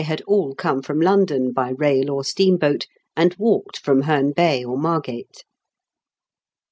303 had all come from London by rail or steam boat, and walked from Heme Bay or Margate.